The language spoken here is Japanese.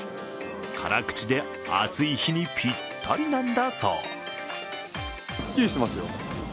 辛口で暑い日にぴったりなんだそう。